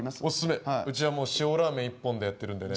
うちはもう塩ラーメン一本でやってるんでね。